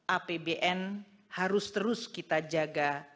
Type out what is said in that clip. apbn harus terus kita jaga